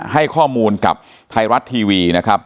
ให้ข้อมูลกับไทยรัฐทีวีนะครับ